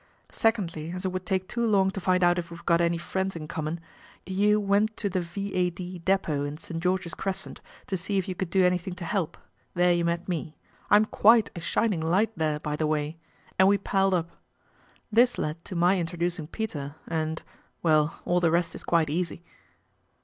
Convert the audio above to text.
Secondly, as it would take too long to find out if we've got any friends in common, you went to the V.A.D. Depot in St. George's Crescent to see if you could do anything ito help. There you met me. I'm quite a shining light there, by the way, and we palled up. This led to my introducing Peter and well all the rest is quite easy."